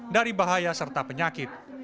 dari bahaya serta penyakit